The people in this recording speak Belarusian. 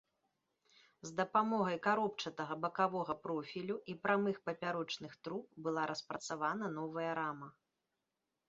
З дапамогай каробчатага бакавога профілю і прамых папярочных труб была распрацавана новая рама.